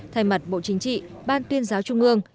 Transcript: thay mặt bộ chính trị ban tuyên giáo trung ương